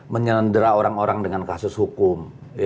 menyelendera orang orang dengan kasus hukum